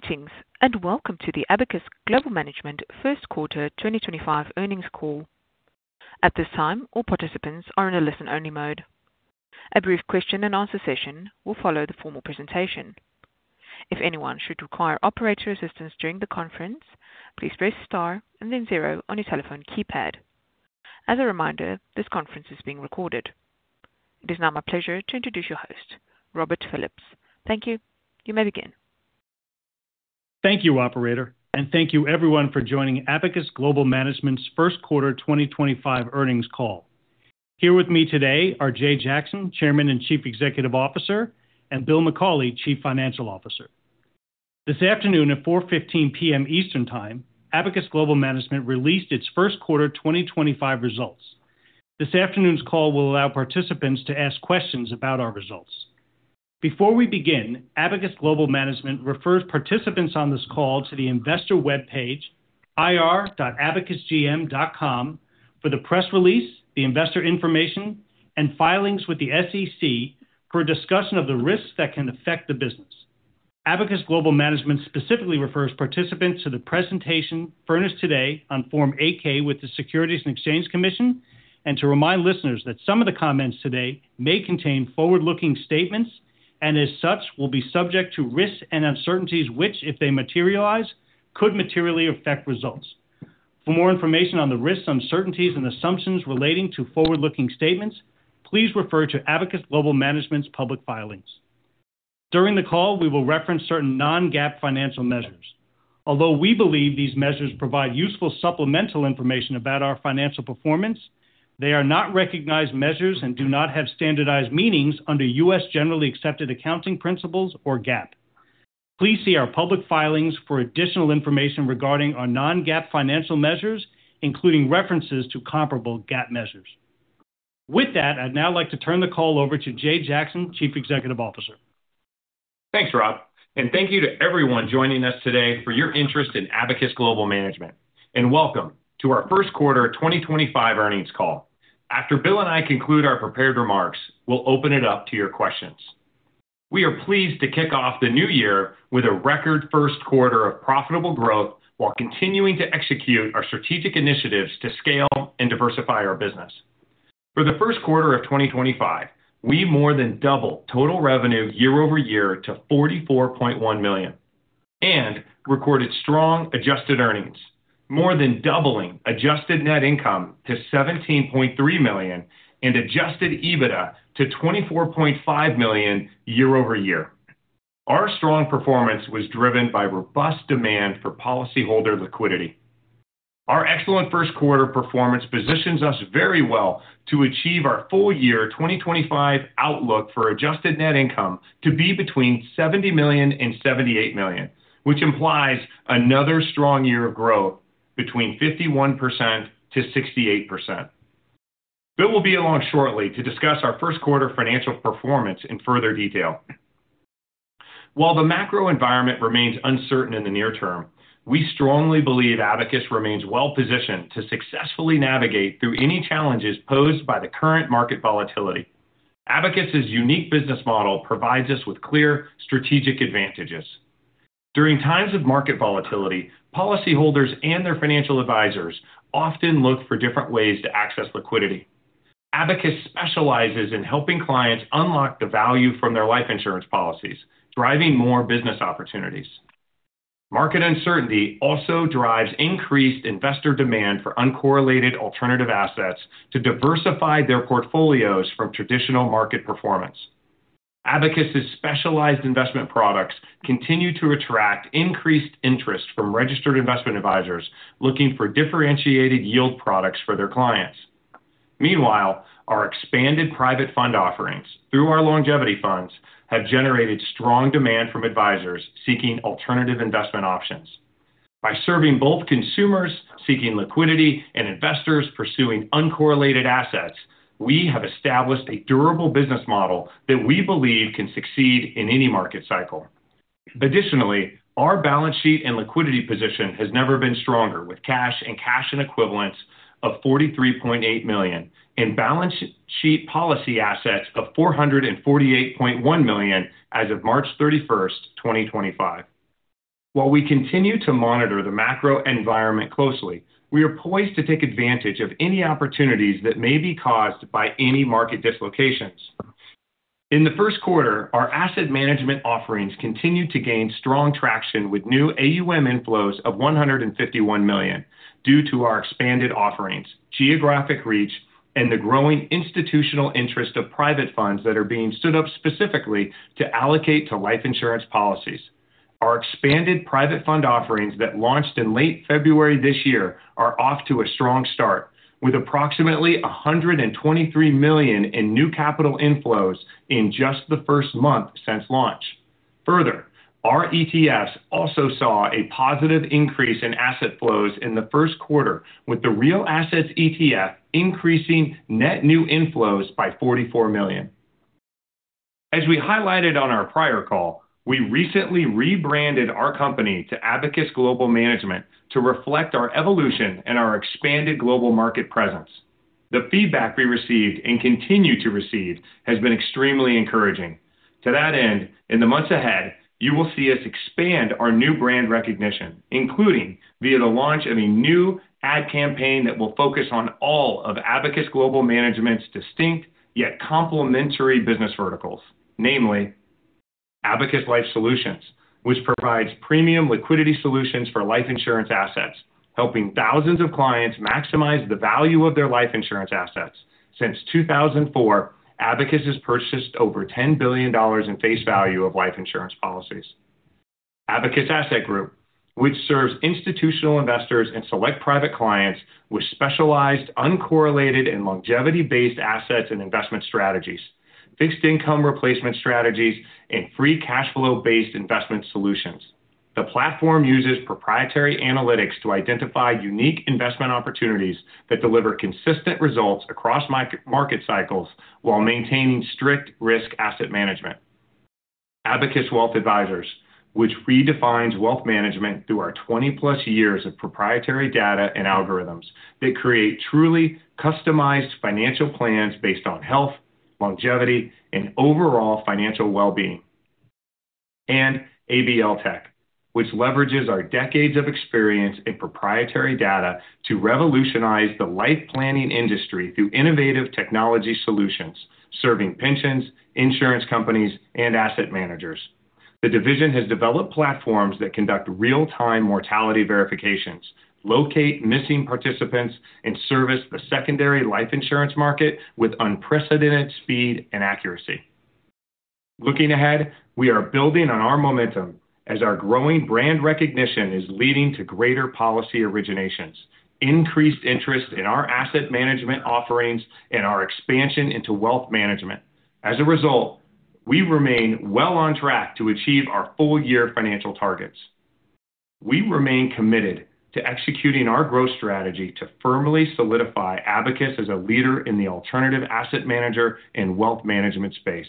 Greetings and welcome to the Abacus Global Management First Quarter 2025 earnings call. At this time, all participants are in a listen only mode. A brief Question and Answer session will follow the formal presentation. If anyone should require operator assistance during the conference, please press star and then zero on your telephone keypad. As a reminder, this conference is being recorded. It is now my pleasure to introduce your host, Robert Phillips. Thank you. You may begin. Thank you, Operator, and thank you everyone for joining Abacus Global Management's First Quarter 2025 earnings call. Here with me today are Jay Jackson, Chairman and Chief Executive Officer, and Bill McCauley, Chief Financial Officer. This afternoon at 4:15 P.M. Eastern Time, Abacus Global Management released its First Quarter 2025 results. This afternoon's call will allow participants to ask questions about our results. Before we begin, Abacus Global Management refers participants on this call to the investor webpage, ir-abacusgm.com, for the press release, the investor information, and filings with the SEC for a discussion of the risks that can affect the business. Abacus Global Management specifically refers participants to the presentation furnished today on Form 8-K with the Securities and Exchange Commission and to remind listeners that some of the comments today may contain forward-looking statements and, as such, will be subject to risks and uncertainties which, if they materialize, could materially affect results. For more information on the risks, uncertainties, and assumptions relating to forward-looking statements, please refer to Abacus Global Management's public filings. During the call, we will reference certain non-GAAP financial measures. Although we believe these measures provide useful supplemental information about our financial performance, they are not recognized measures and do not have standardized meanings under U.S. generally accepted accounting principles or GAAP. Please see our public filings for additional information regarding our non-GAAP financial measures, including references to comparable GAAP measures. With that, I'd now like to turn the call over to Jay Jackson, Chief Executive Officer. Thanks, Rob, and thank you to everyone joining us today for your interest in Abacus Global Management. Welcome to our First Quarter 2025 earnings call. After Bill and I conclude our prepared remarks, we'll open it up to your questions. We are pleased to kick off the new year with a record First Quarter of profitable growth while continuing to execute our strategic initiatives to scale and diversify our business. For the First Quarter of 2025, we more than doubled total revenue year-over-year to 44.1 million and recorded strong adjusted earnings, more than doubling adjusted net income to 17.3 million and adjusted EBITDA to 24.5 million year-over-year. Our strong performance was driven by robust demand for policyholder liquidity. Our excellent First quarter performance positions us very well to achieve our full year 2025 outlook for adjusted net income to be between 70 million and 78 million, which implies another strong year of growth between 51% and 68%. Bill will be along shortly to discuss our First quarter financial performance in further detail. While the macro environment remains uncertain in the near term, we strongly believe Abacus remains well-positioned to successfully navigate through any challenges posed by the current market volatility. Abacus's unique business model provides us with clear strategic advantages. During times of market volatility, policyholders and their financial advisors often look for different ways to access liquidity. Abacus specializes in helping clients unlock the value from their life insurance policies, driving more business opportunities. Market uncertainty also drives increased investor demand for uncorrelated alternative assets to diversify their portfolios from traditional market performance. Abacus's specialized investment products continue to attract increased interest from registered investment advisors looking for differentiated yield products for their clients. Meanwhile, our expanded private fund offerings through our Longevity Funds have generated strong demand from advisors seeking alternative investment options. By serving both consumers seeking liquidity and investors pursuing uncorrelated assets, we have established a durable business model that we believe can succeed in any market cycle. Additionally, our balance sheet and liquidity position has never been stronger, with cash and cash equivalents of 43.8 million and balance sheet policy assets of 448.1 million as of March 31st, 2025. While we continue to monitor the macro-environment closely, we are poised to take advantage of any opportunities that may be caused by any market dislocations. In the First Quarter, our asset management offerings continue to gain strong traction with new AUM inflows of 151 million due to our expanded offerings, geographic reach, and the growing institutional interest of private funds that are being stood up specifically to allocate to life insurance policies. Our expanded private fund offerings that launched in late February this year are off to a strong start, with approximately 123 million in new capital inflows in just the first month since launch. Further, our ETFs also saw a positive increase in asset flows in the First Quarter, with the Real Assets ETF increasing net new inflows by 44 million. As we highlighted on our prior call, we recently rebranded our company to Abacus Global Management to reflect our evolution and our expanded global market presence. The feedback we received and continue to receive has been extremely encouraging. To that end, in the months ahead, you will see us expand our new brand recognition, including via the launch of a new ad campaign that will focus on all of Abacus Global Management distinct yet complementary business verticals, namely Abacus Life Solutions, which provides premium liquidity solutions for life insurance assets, helping thousands of clients maximize the value of their life insurance assets. Since 2004, Abacus has purchased over $10 billion in face value of life insurance policies. Abacus Asset Group, which serves institutional investors and select private clients with specialized uncorrelated and longevity-based assets and investment strategies, fixed income replacement strategies, and free cash flow-based investment solutions. The platform uses proprietary analytics to identify unique investment opportunities that deliver consistent results across market cycles while maintaining strict risk asset management. Abacus Wealth Advisors, which redefines wealth management through our 20+ years of proprietary data and algorithms that create truly customized financial plans based on health, longevity, and overall financial well-being. ABL Tech, which leverages our decades of experience in proprietary data to revolutionize the life planning industry through innovative technology solutions serving pensions, insurance companies, and asset managers. The division has developed platforms that conduct real-time mortality verifications, locate missing participants, and service the secondary life insurance market with unprecedented speed and accuracy. Looking ahead, we are building on our momentum as our growing brand recognition is leading to greater policy originations, increased interest in our asset management offerings, and our expansion into wealth management. As a result, we remain well on track to achieve our full year financial targets. We remain committed to executing our growth strategy to firmly solidify Abacus as a leader in the alternative asset manager and wealth management space.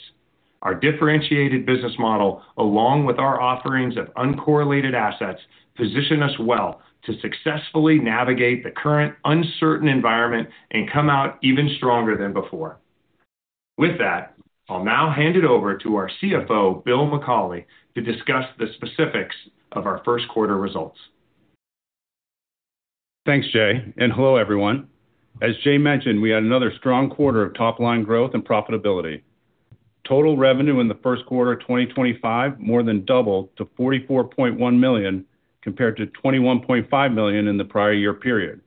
Our differentiated business model, along with our offerings of uncorrelated assets, positions us well to successfully navigate the current uncertain environment and come out even stronger than before. With that, I'll now hand it over to our CFO, Bill McCauley, to discuss the specifics of our first quarter results. Thanks, Jay. Hello, everyone. As Jay mentioned, we had another strong quarter of top-line growth and profitability. Total revenue in the first quarter 2025 more than doubled to 44.1 million compared to 21.5 million in the prior year period.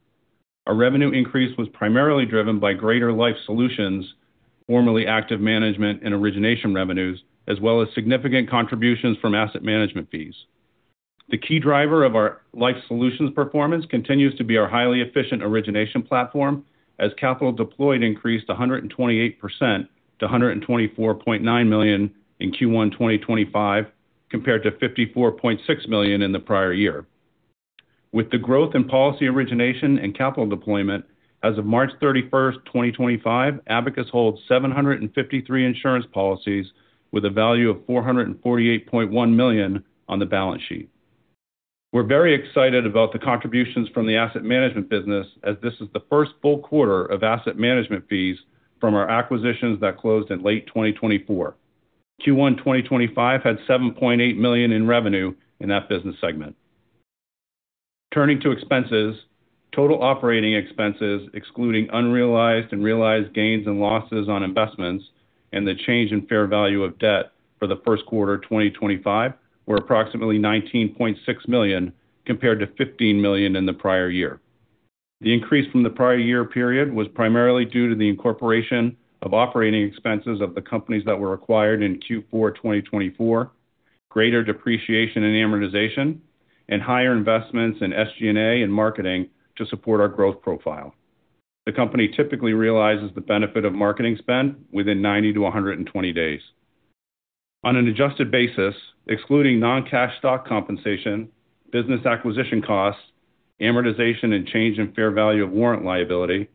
Our revenue increase was primarily driven by greater life solutions, formerly active management and origination revenues, as well as significant contributions from asset management fees. The key driver of our life solutions performance continues to be our highly efficient origination platform, as capital deployed increased 128% to 124.9 million in Q1 2025 compared to 54.6 million in the prior year. With the growth in policy origination and capital deployment, as of March 31st, 2025, Abacus holds 753 insurance policies with a value of 448.1 million on the balance sheet. We're very excited about the contributions from the asset management business, as this is the first full quarter of asset management fees from our acquisitions that closed in late 2024. Q1 2025 had 7.8 million in revenue in that business segment. Turning to expenses, total operating expenses, excluding unrealized and realized gains and losses on investments and the change in fair value of debt for the First quarter 2025, were approximately 19.6 million compared to 15 million in the prior year. The increase from the prior year period was primarily due to the incorporation of operating expenses of the companies that were acquired in Q4 2024, greater depreciation and amortization, and higher investments in SG&A and marketing to support our growth profile. The company typically realizes the benefit of marketing spend within 90 to 120 days. On an adjusted basis, excluding non-cash stock compensation, business acquisition costs, amortization, and change in fair value of warrant liability,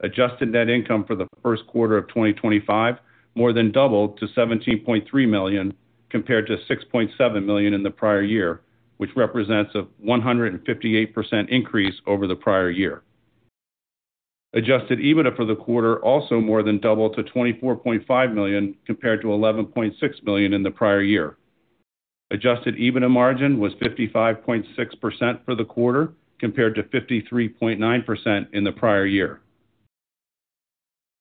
adjusted net income for the irst quarter of 2025 more than doubled to $17.3 million compared to 6.7 million in the prior year, which represents a 158% increase over the prior year. Adjusted EBITDA for the quarter also more than doubled to 24.5 million compared to 11.6 million in the prior year. Adjusted EBITDA margin was 55.6% for the quarter compared to 53.9% in the prior year.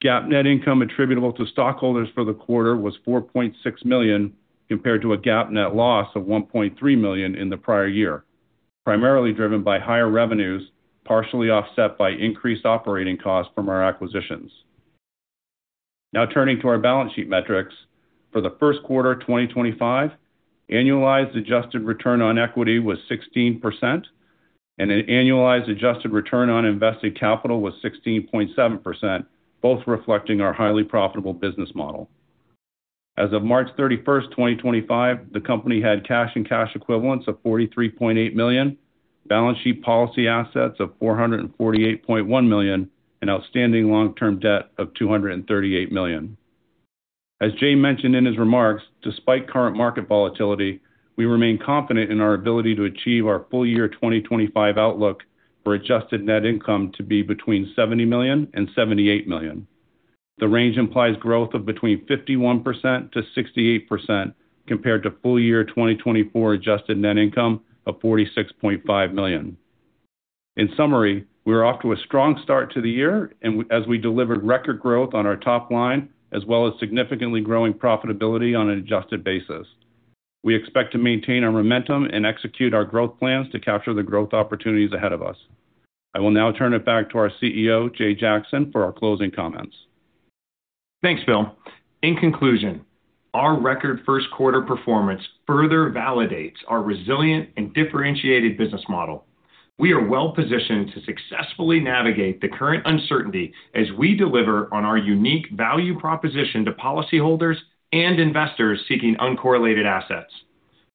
GAAP net income attributable to stockholders for the quarter was 4.6 million compared to a GAAP net loss of $1.3 million in the prior year, primarily driven by higher revenues, partially offset by increased operating costs from our acquisitions. Now turning to our balance sheet metrics, for the First quarter 2025, annualized adjusted return on equity was 16%, and an annualized adjusted return on invested capital was 16.7%, both reflecting our highly profitable business model. As of March 31st, 2025, the company had cash and cash equivalents of 43.8 million, balance sheet policy assets of 448.1 million, and outstanding long-term debt of 238 million. As Jay mentioned in his remarks, despite current market volatility, we remain confident in our ability to achieve our full year 2025 outlook for adjusted net income to be between 70 million and 78 million. The range implies growth of between 51% to 68% compared to full year 2024 adjusted net income of 46.5 million. In summary, we are off to a strong start to the year, and as we delivered record growth on our top line, as well as significantly growing profitability on an adjusted basis. We expect to maintain our momentum and execute our growth plans to capture the growth opportunities ahead of us. I will now turn it back to our CEO, Jay Jackson, for our closing comments. Thanks, Bill. In conclusion, our record first quarter performance further validates our resilient and differentiated business model. We are well-positioned to successfully navigate the current uncertainty as we deliver on our unique value proposition to policyholders and investors seeking uncorrelated assets.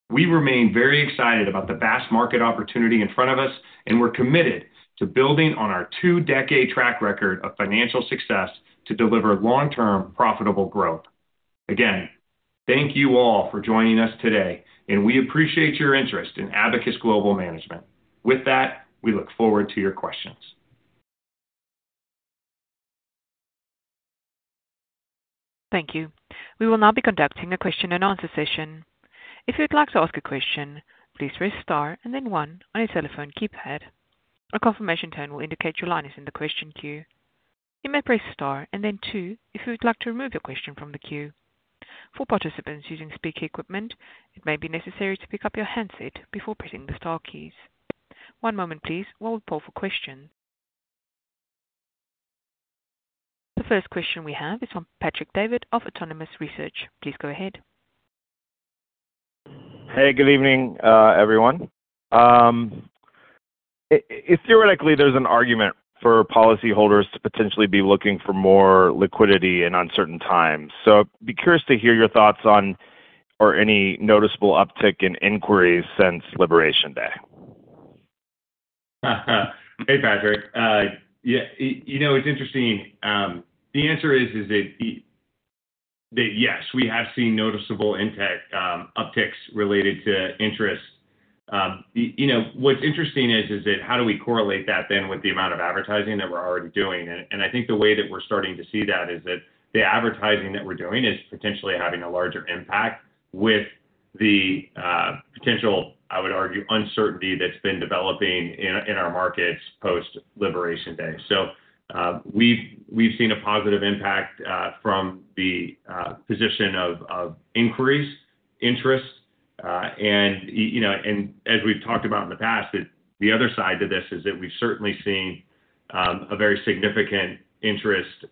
We remain very excited about the vast market opportunity in front of us, and we're committed to building on our two-decade track record of financial success to deliver long-term profitable growth. Again, thank you all for joining us today, and we appreciate your interest in Abacus Global Management. With that, we look forward to your questions. Thank you. We will now be conducting a Question and Answer session. If you'd like to ask a question, please press star and then one on your telephone keypad. A confirmation tone will indicate your line is in the question queue. You may press star and then two if you would like to remove your question from the queue. For participants using speaker equipment, it may be necessary to pick up your handset before pressing the star keys. One moment, please, while we pull for questions. The first question we have is from Patrick Davitt of Autonomous Research. Please go ahead. Hey, good evening, everyone. Theoretically, there's an argument for policyholders to potentially be looking for more liquidity in uncertain times. I’d be curious to hear your thoughts on any noticeable uptick in inquiries since Liberation Day. Hey, Patrick. You know, it's interesting. The answer is that yes, we have seen noticeable intake upticks related to interest. What's interesting is that how do we correlate that then with the amount of advertising that we're already doing? I think the way that we're starting to see that is that the advertising that we're doing is potentially having a larger impact with the potential, I would argue, uncertainty that's been developing in our markets post-Liberation Day. We have seen a positive impact from the position of inquiries, interest. As we've talked about in the past, the other side to this is that we've certainly seen a very significant interest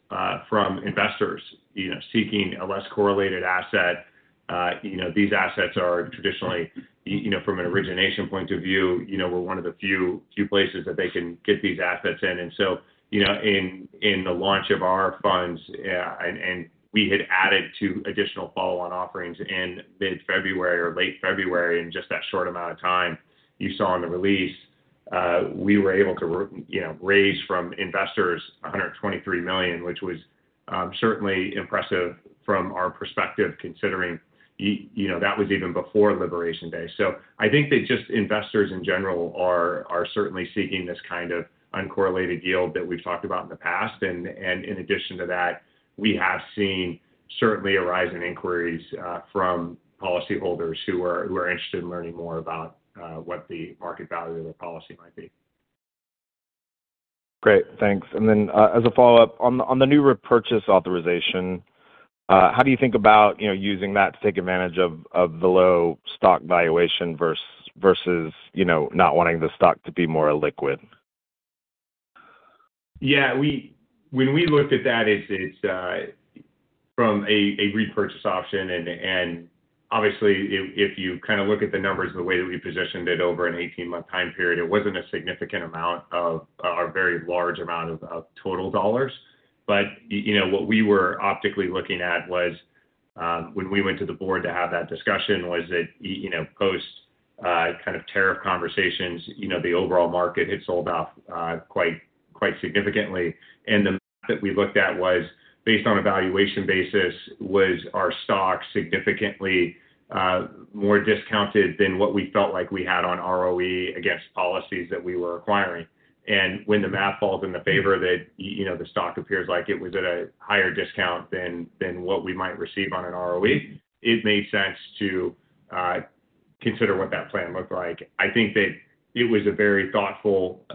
from investors seeking a less correlated asset. These assets are traditionally, from an origination point of view, one of the few places that they can get these assets in. In the launch of our funds, and we had added two additional follow-on offerings in mid-February or late February. In just that short amount of time, you saw in the release, we were able to raise from investors 123 million, which was certainly impressive from our perspective, considering that was even before Liberation Day. I think that just investors in general are certainly seeking this kind of uncorrelated yield that we've talked about in the past. In addition to that, we have seen certainly a rise in inquiries from policyholders who are interested in learning more about what the market value of their policy might be. Great. Thanks. As a follow-up, on the new repurchase authorization, how do you think about using that to take advantage of the low stock valuation versus not wanting the stock to be more illiquid? Yeah. When we looked at that, it's from a repurchase option. Obviously, if you kind of look at the numbers and the way that we positioned it over an 18-month time period, it wasn't a significant amount of our very large amount of total dollars. What we were optically looking at was when we went to the board to have that discussion, that post kind of tariff conversations, the overall market had sold off quite significantly. The math that we looked at was, based on a valuation basis, was our stock significantly more discounted than what we felt like we had on ROE against policies that we were acquiring. When the math falls in the favor that the stock appears like it was at a higher discount than what we might receive on an ROE, it made sense to consider what that plan looked like. I think that it was a very thoughtful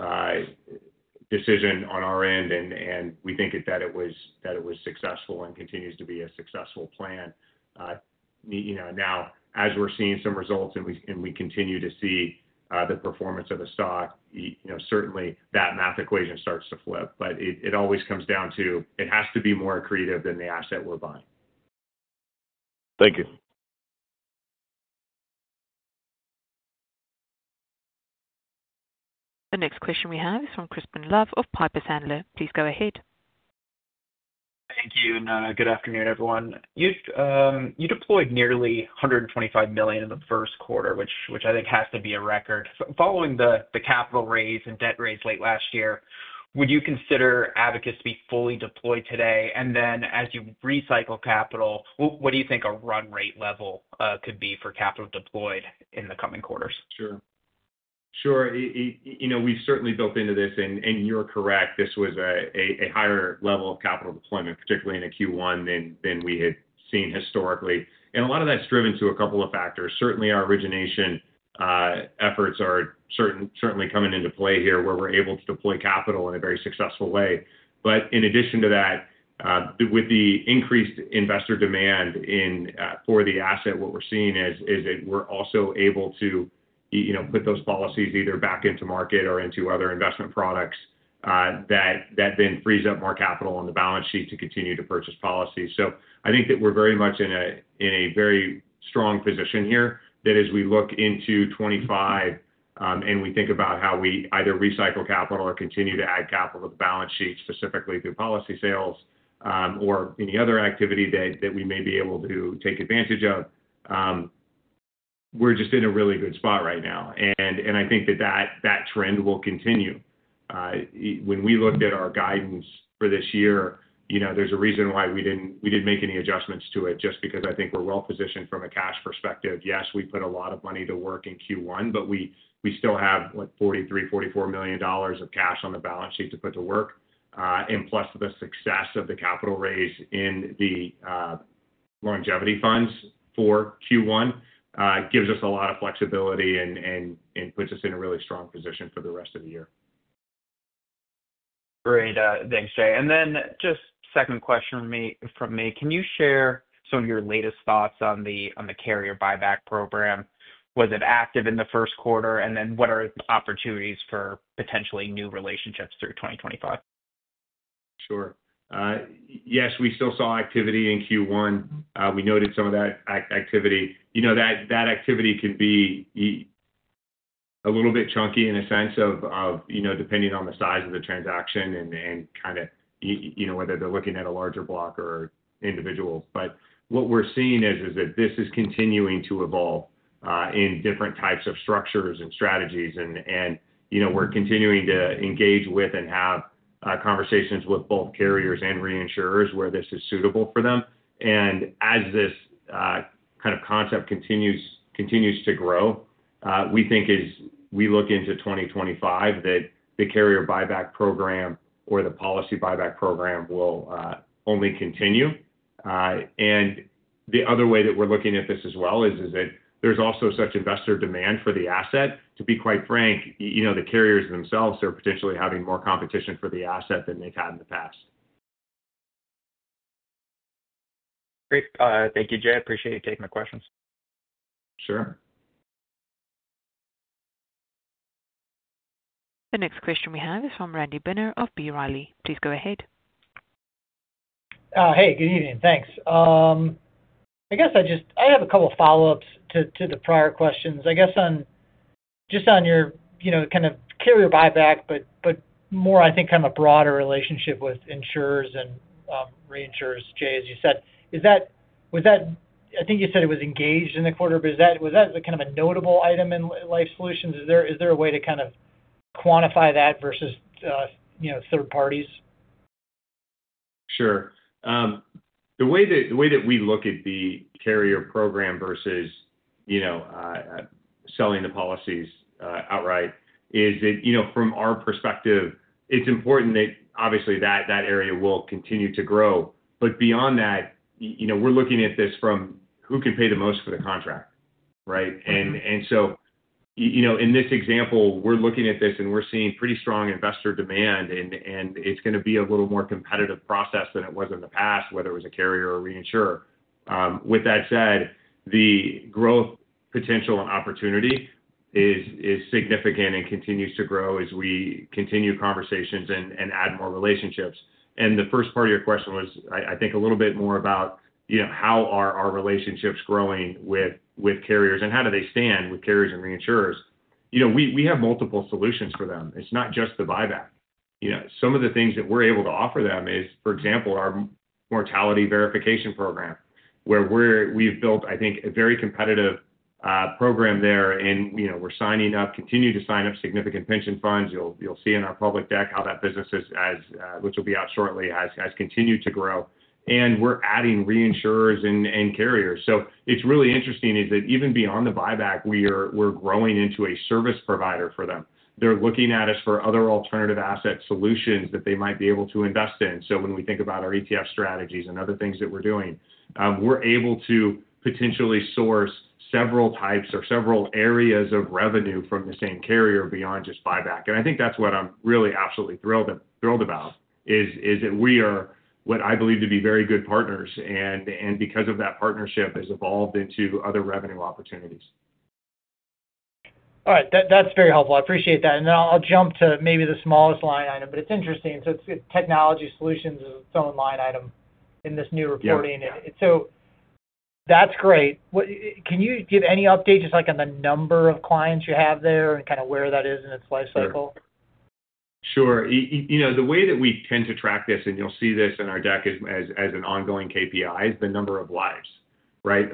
decision on our end, and we think that it was successful and continues to be a successful plan. Now, as we're seeing some results and we continue to see the performance of the stock, certainly that math equation starts to flip. It always comes down to it has to be more accretive than the asset we're buying. Thank you. The next question we have is from Crispin Love of Piper Sandler. Please go ahead. Thank you. Good afternoon, everyone. You deployed nearly 125 million in the First quarter, which I think has to be a record. Following the capital raise and debt raise late last year, would you consider Abacus to be fully deployed today? As you recycle capital, what do you think a run rate level could be for capital deployed in the coming quarters? Sure. We've certainly built into this, and you're correct, this was a higher level of capital deployment, particularly in a Q1 than we had seen historically. A lot of that's driven to a couple of factors. Certainly, our origination efforts are certainly coming into play here where we're able to deploy capital in a very successful way. In addition to that, with the increased investor demand for the asset, what we're seeing is that we're also able to put those policies either back into market or into other investment products that then frees up more capital on the balance sheet to continue to purchase policies. I think that we're very much in a very strong position here that as we look into 2025 and we think about how we either recycle capital or continue to add capital to the balance sheet, specifically through policy sales or any other activity that we may be able to take advantage of, we're just in a really good spot right now. I think that that trend will continue. When we looked at our guidance for this year, there's a reason why we didn't make any adjustments to it, just because I think we're well-positioned from a cash perspective. Yes, we put a lot of money to work in Q1, but we still have $43 million to $44 million of cash on the balance sheet to put to work. Plus the success of the capital raise in the longevity funds for Q1 gives us a lot of flexibility and puts us in a really strong position for the rest of the year. Great. Thanks, Jay. And then just second question from me, can you share some of your latest thoughts on the carrier buyback program? Was it active in the First quarter? And then what are the opportunities for potentially new relationships through 2025? Sure. Yes, we still saw activity in Q1. We noted some of that activity. That activity can be a little bit chunky in a sense of depending on the size of the transaction and kind of whether they're looking at a larger block or individuals. What we're seeing is that this is continuing to evolve in different types of structures and strategies. We're continuing to engage with and have conversations with both carriers and reinsurers where this is suitable for them. As this kind of concept continues to grow, we think as we look into 2025 that the carrier buyback program or the policy buyback program will only continue. The other way that we're looking at this as well is that there's also such investor demand for the asset. To be quite frank, the carriers themselves are potentially having more competition for the asset than they've had in the past. Great. Thank you Jay. Appreciate you taking my questions. Sure. The next question we have is from Randy Binner of B. Riley. Please go ahead. Hey, good evening. Thanks. I guess I just have a couple of follow-ups to the prior questions. I guess just on your kind of carrier buyback, but more I think kind of a broader relationship with insurers and reinsurers, Jay, as you said. I think you said it was engaged in the quarter, but was that kind of a notable item in Life Solutions? Is there a way to kind of quantify that versus third parties? Sure. The way that we look at the carrier program versus selling the policies outright is that from our perspective, it's important that obviously that area will continue to grow. Beyond that, we're looking at this from who can pay the most for the contract, right? In this example, we're looking at this and we're seeing pretty strong investor demand, and it's going to be a little more competitive process than it was in the past, whether it was a carrier or a reinsurer. That said, the growth potential and opportunity is significant and continues to grow as we continue conversations and add more relationships. The first part of your question was, I think, a little bit more about how are our relationships growing with carriers and how do they stand with carriers and reinsurers? We have multiple solutions for them. It's not just the buyback. Some of the things that we're able to offer them is, for example, our mortality verification program, where we've built, I think, a very competitive program there. We're signing up, continue to sign up significant pension funds. You'll see in our public deck how that business, which will be out shortly, has continued to grow. We're adding reinsurers and carriers. What is really interesting is that even beyond the buyback, we're growing into a service provider for them. They're looking at us for other alternative asset solutions that they might be able to invest in. When we think about our ETF strategies and other things that we're doing, we're able to potentially source several types or several areas of revenue from the same carrier beyond just buyback. I think that's what I'm really absolutely thrilled about, is that we are what I believe to be very good partners. Because of that partnership, it has evolved into other revenue opportunities. All right. That's very helpful. I appreciate that. Then I'll jump to maybe the smallest line item, but it's interesting. Technology solutions is its own line item in this new reporting. That's great. Can you give any update just on the number of clients you have there and kind of where that is in its life cycle? Sure. The way that we tend to track this, and you'll see this in our deck as an ongoing KPI, is the number of lives, right?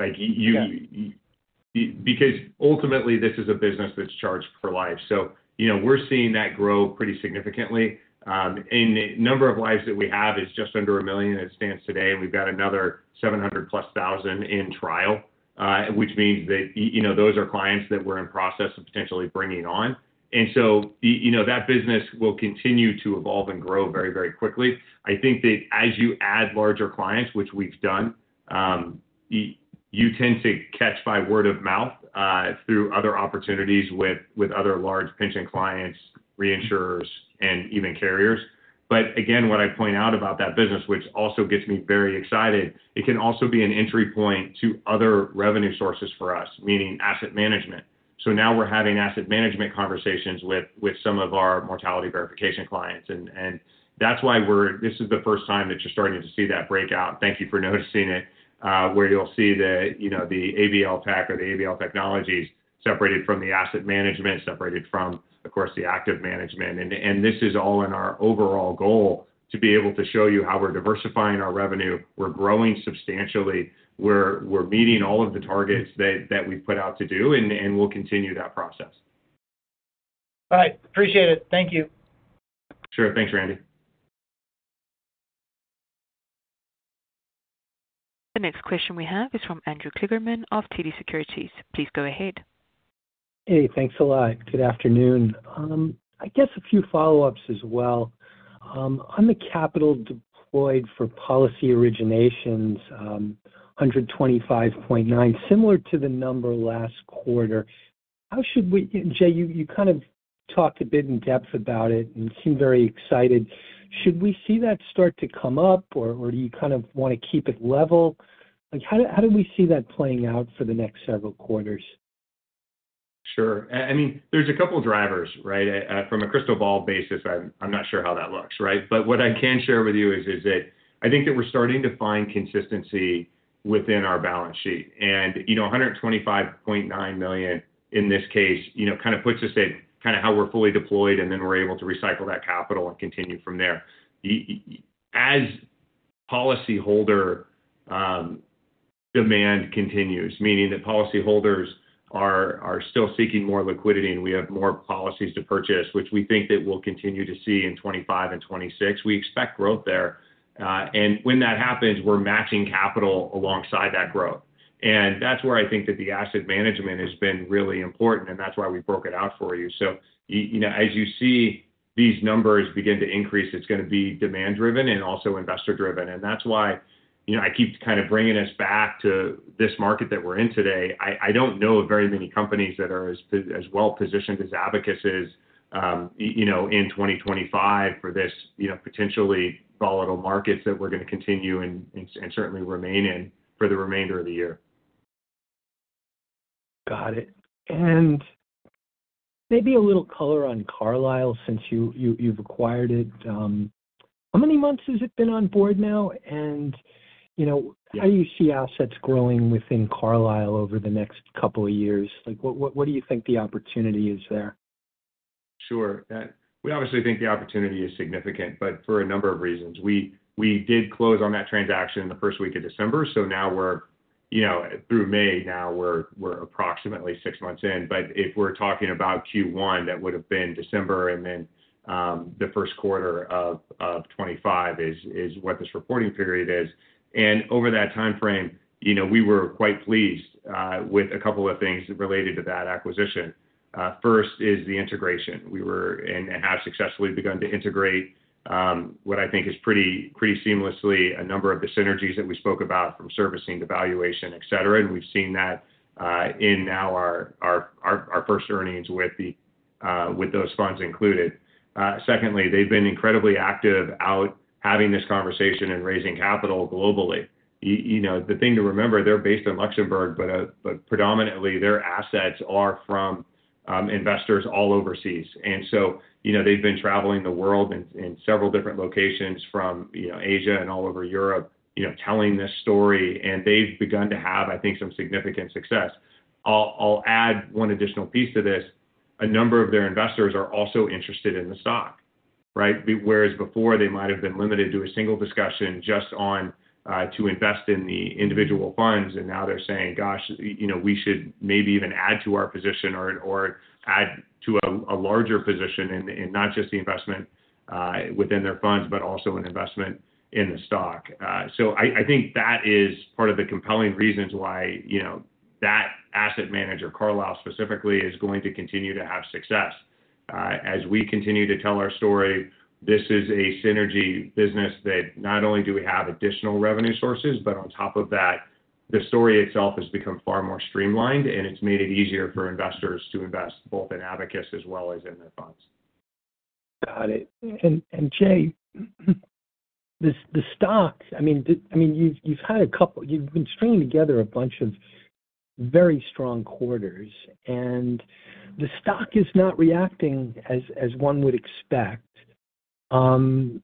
Because ultimately, this is a business that's charged per life. We are seeing that grow pretty significantly. The number of lives that we have is just under a million as it stands today. We have another 700,000+ in trial, which means that those are clients that we are in process of potentially bringing on. That business will continue to evolve and grow very, very quickly. I think that as you add larger clients, which we have done, you tend to catch by word of mouth through other opportunities with other large pension clients, reinsurers, and even carriers. What I point out about that business, which also gets me very excited, it can also be an entry point to other revenue sources for us, meaning asset management. Now we're having asset management conversations with some of our mortality verification clients. That is why this is the first time that you're starting to see that breakout. Thank you for noticing it, where you'll see the ABL Tech or the ABL technologies separated from the asset management, separated from, of course, the active management. This is all in our overall goal to be able to show you how we're diversifying our revenue. We're growing substantially. We're meeting all of the targets that we've put out to do, and we'll continue that process. All right. Appreciate it. Thank you. Sure. Thanks Randy. The next question we have is from Andrew Kligerman of TD Securities. Please go ahead. Hey, thanks a lot. Good afternoon. I guess a few follow-ups as well. On the capital deployed for policy originations, 125.9 million, similar to the number last quarter. Jay, you kind of talked a bit in depth about it and seemed very excited. Should we see that start to come up, or do you kind of want to keep it level? How do we see that playing out for the next several quarters? Sure. I mean, there's a couple of drivers, right? From a crystal ball basis, I'm not sure how that looks, right? What I can share with you is that I think that we're starting to find consistency within our balance sheet. And 125.9 million, in this case, kind of puts us at kind of how we're fully deployed, and then we're able to recycle that capital and continue from there. As policyholder demand continues, meaning that policyholders are still seeking more liquidity and we have more policies to purchase, which we think that we'll continue to see in 2025 and 2026, we expect growth there. When that happens, we're matching capital alongside that growth. That's where I think that the asset management has been really important, and that's why we broke it out for you. As you see these numbers begin to increase, it's going to be demand-driven and also investor-driven. That's why I keep kind of bringing us back to this market that we're in today. I don't know of very many companies that are as well-positioned as Abacus is in 2025 for these potentially volatile markets that we're going to continue and certainly remain in for the remainder of the year. Got it. Maybe a little color on Carlyle since you've acquired it. How many months has it been on board now? How do you see assets growing within Carlyle over the next couple of years? What do you think the opportunity is there? Sure. We obviously think the opportunity is significant, but for a number of reasons. We did close on that transaction in the First-week of December. Now we're through May, now we're approximately six months in. If we're talking about Q1, that would have been December, and then the First quarter of 2025 is what this reporting period is. Over that timeframe, we were quite pleased with a couple of things related to that acquisition. First is the integration. We have successfully begun to integrate what I think is pretty seamlessly a number of the synergies that we spoke about from servicing, the valuation, etc. We've seen that in now our First earnings with those funds included. Secondly, they've been incredibly active out having this conversation and raising capital globally. The thing to remember, they're based in Luxembourg, but predominantly their assets are from investors all overseas. They've been traveling the world in several different locations from Asia and all over Europe telling this story, and they've begun to have, I think, some significant success. I'll add one additional piece to this. A number of their investors are also interested in the stock, right? Whereas before, they might have been limited to a single discussion just on to invest in the individual funds, and now they're saying, "Gosh, we should maybe even add to our position or add to a larger position in not just the investment within their funds, but also an investment in the stock." I think that is part of the compelling reasons why that asset manager, Carlyle specifically, is going to continue to have success. As we continue to tell our story, this is a synergy business that not only do we have additional revenue sources, but on top of that, the story itself has become far more streamlined, and it has made it easier for investors to invest both in Abacus as well as in their funds. Got it. Jay, the stock, I mean, you've had a couple, you've been stringing together a bunch of very strong quarters, and the stock is not reacting as one would expect. Given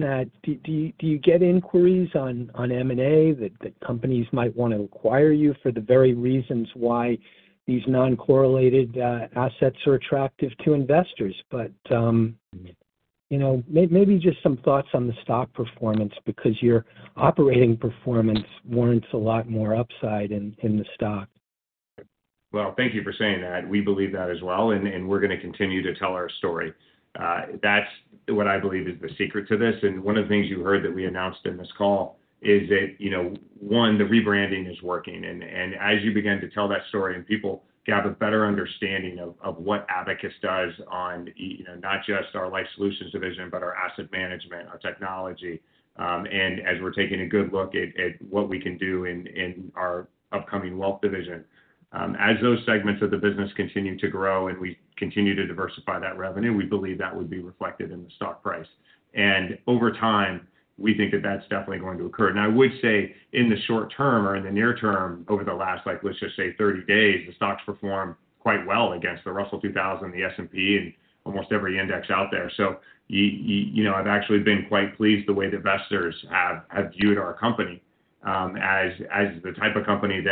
that, do you get inquiries on M&A that companies might want to acquire you for the very reasons why these non-correlated assets are attractive to investors? Maybe just some thoughts on the stock performance because your operating performance warrants a lot more upside in the stock. Thank you for saying that. We believe that as well, and we're going to continue to tell our story. That's what I believe is the secret to this. One of the things you heard that we announced in this call is that, one, the rebranding is working. As you began to tell that story and people gather a better understanding of what Abacus does on not just our Life Solutions division, but our asset management, our technology, and as we're taking a good look at what we can do in our upcoming Wealth division, as those segments of the business continue to grow and we continue to diversify that revenue, we believe that would be reflected in the stock price. Over time, we think that that's definitely going to occur. I would say in the short term or in the near term, over the last, let's just say, 30 days, the stock's performed quite well against the Russell 2000, the S&P, and almost every index out there. I've actually been quite pleased the way that investors have viewed our company as the type of company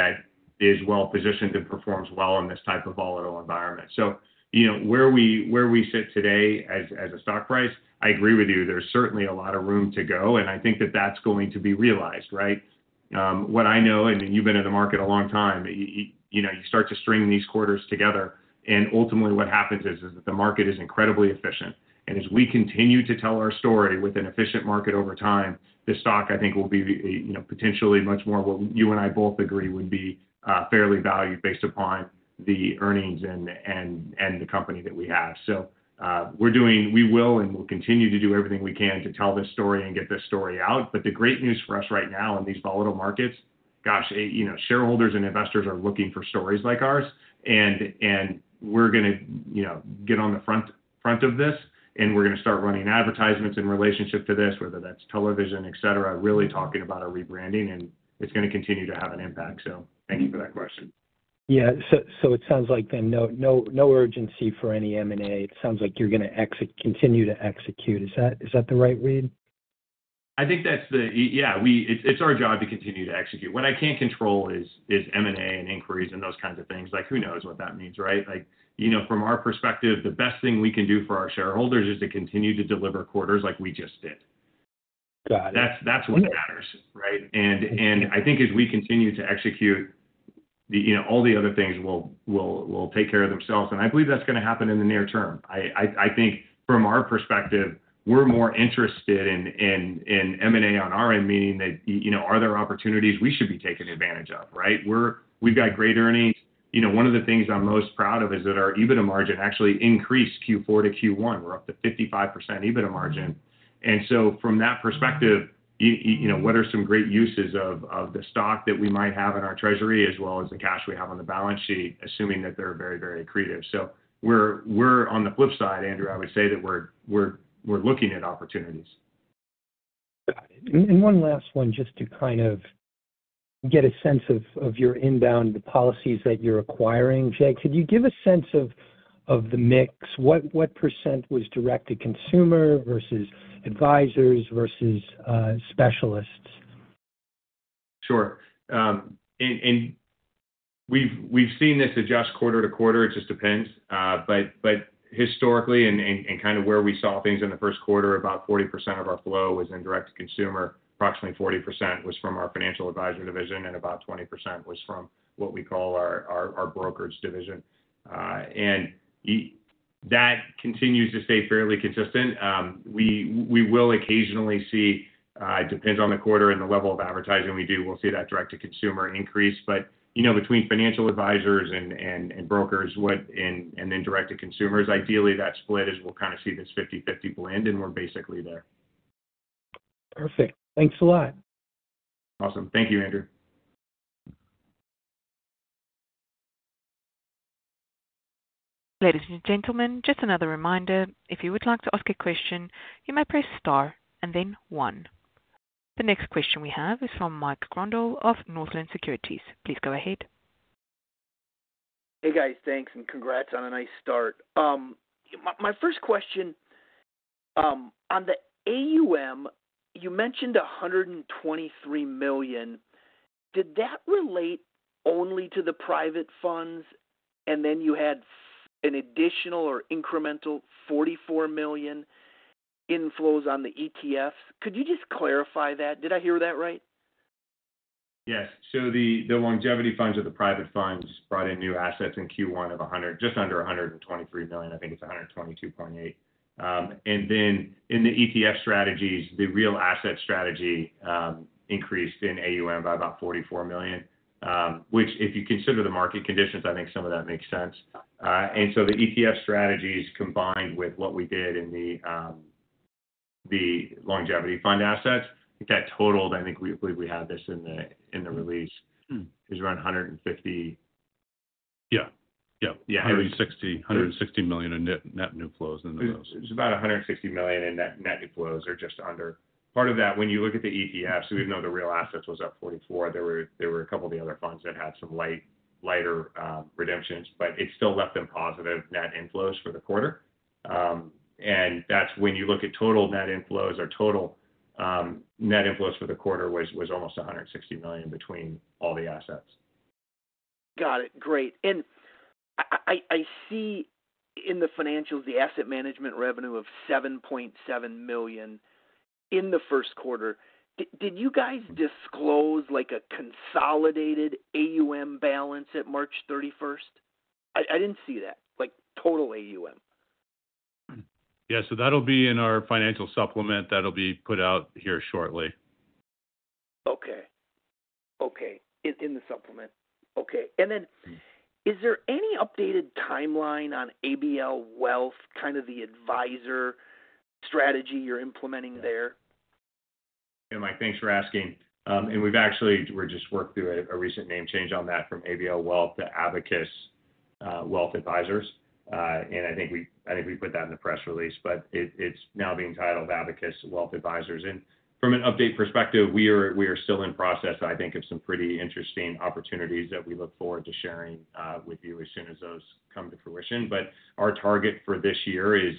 that is well-positioned and performs well in this type of volatile environment. Where we sit today as a stock price, I agree with you. There's certainly a lot of room to go, and I think that that's going to be realized, right? What I know, and you've been in the market a long time, you start to string these quarters together, and ultimately what happens is that the market is incredibly efficient. As we continue to tell our story with an efficient market over time, the stock, I think, will be potentially much more what you and I both agree would be fairly valued based upon the earnings and the company that we have. We will and will continue to do everything we can to tell this story and get this story out. The great news for us right now in these volatile markets, gosh, shareholders and investors are looking for stories like ours. We are going to get on the front of this, and we are going to start running advertisements in relationship to this, whether that's television, etc., really talking about a rebranding, and it's going to continue to have an impact. Thank you for that question. Yeah. So it sounds like then no urgency for any M&A. It sounds like you're going to continue to execute. Is that the right read? I think that's the, yeah, it's our job to continue to execute. What I can't control is M&A and inquiries and those kinds of things. Who knows what that means, right? From our perspective, the best thing we can do for our shareholders is to continue to deliver quarters like we just did. Got it. That's what matters, right? I think as we continue to execute, all the other things will take care of themselves. I believe that's going to happen in the near term. I think from our perspective, we're more interested in M&A on our end, meaning that are there opportunities we should be taking advantage of, right? We've got great earnings. One of the things I'm most proud of is that our EBITDA margin actually increased Q4 to Q1. We're up to 55% EBITDA margin. From that perspective, what are some great uses of the stock that we might have in our treasury as well as the cash we have on the balance sheet, assuming that they're very, very accretive? On the flip side, Andrew, I would say that we're looking at opportunities. Got it. One last one, just to kind of get a sense of your inbound policies that you're acquiring. Jay, could you give a sense of the mix? What % was direct-to-consumer versus advisors versus specialists? Sure. We have seen this adjust quarter-to-quarter. It just depends. Historically, and kind of where we saw things in the First quarter, about 40% of our flow was indirect-to-consumer. Approximately 40% was from our financial advisor division, and about 20% was from what we call our brokerage division. That continues to stay fairly consistent. We will occasionally see, it depends on the quarter and the level of advertising we do, we will see that direct-to-consumer increase. Between financial advisors and brokers and indirect-to-consumers, ideally, that split is we will kind of see this 50/50 blend, and we are basically there. Perfect. Thanks a lot. Awesome. Thank you Andrew. Ladies and gentlemen, just another reminder, if you would like to ask a question, you may press star and then one. The next question we have is from Mike Grondahl of Northland Securities. Please go ahead. Hey, guys. Thanks, and congrats on a nice start. My First question, on the AUM, you mentioned 123 million. Did that relate only to the private funds, and then you had an additional or incremental 44 million inflows on the ETF? Could you just clarify that? Did I hear that right? Yes. The longevity funds of the private funds brought in new assets in Q1 of just under 123 million. I think it is 122.8 million. In the ETF strategies, the real asset strategy increased in AUM by about 44 million, which, if you consider the market conditions, I think some of that makes sense. The ETF strategies combined with what we did in the longevity fund assets, that totaled, I think we believe we have this in the release, is around 150 million. Yeah. 160 million in net new flows in the list. It's about 160 million in net new flows or just under. Part of that, when you look at the ETF, we know the real assets was up 44 million. There were a couple of the other funds that had some lighter redemptions, but it still left them positive net inflows for the quarter. When you look at total net inflows or total net inflows for the quarter, it was almost 160 million between all the assets. Got it. Great. I see in the financials, the asset management revenue of 7.7 million in the First quarter. Did you guys disclose a consolidated AUM balance at March 31st? I did not see that, total AUM. Yeah. That'll be in our financial supplement. That'll be put out here shortly. Okay. Okay. In the supplement. Okay. And then is there any updated timeline on ABL Wealth, kind of the advisor strategy you're implementing there? Mike, thanks for asking. We've actually just worked through a recent name change on that from ABL Wealth to Abacus Wealth Advisors. I think we put that in the press release, but it's now being titled Abacus Wealth Advisors. From an update perspective, we are still in process, I think, of some pretty interesting opportunities that we look forward to sharing with you as soon as those come to fruition. Our target for this year is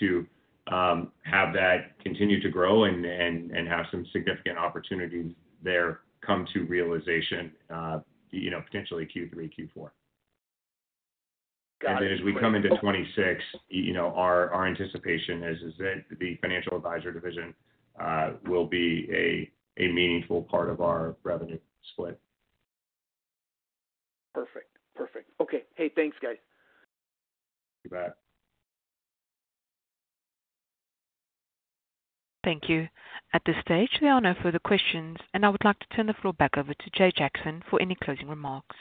to have that continue to grow and have some significant opportunities there come to realization, potentially Q3, Q4. As we come into 2026, our anticipation is that the financial advisor division will be a meaningful part of our revenue split. Perfect. Perfect. Okay. Hey thanks guys. You bet. Thank you. At this stage, we have no further questions, and I would like to turn the floor back over to Jay Jackson for any closing remarks.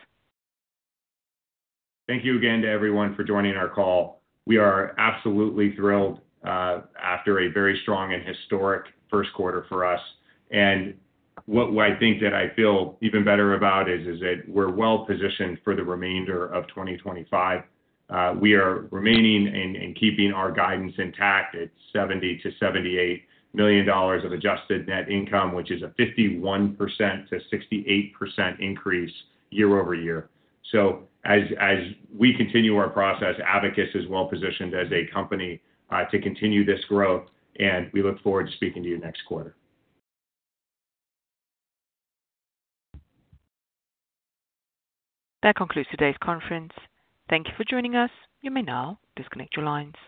Thank you again to everyone for joining our call. We are absolutely thrilled after a very strong and historic First quarter for us. What I think that I feel even better about is that we're well-positioned for the remainder of 2025. We are remaining and keeping our guidance intact at $70 million to $78 million of adjusted net income, which is a 51% to 68% increase year-over- year. As we continue our process, Abacus Global Management is well-positioned as a company to continue this growth, and we look forward to speaking to you next quarter. That concludes today's conference. Thank you for joining us. You may now disconnect your lines.